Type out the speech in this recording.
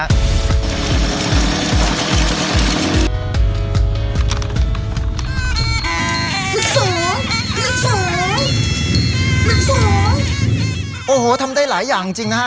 ลึกสองลึกสองลึกสองโอ้โหทำได้หลายอย่างจริงนะฮะ